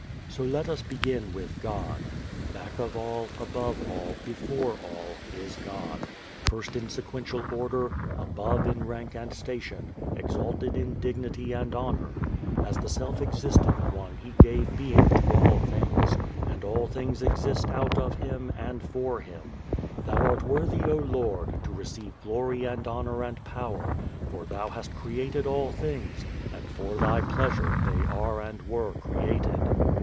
So let us begin with God. Back of all, above all, before all is God; first in sequential order, above in rank and station, exalted in dignity and honor. As the self existent One He gave being to all things, and all things exist out of Him and for Him. "Thou art worthy, O Lord, to receive glory and honour and power: for thou hast created all things, and for thy pleasure they are and were created."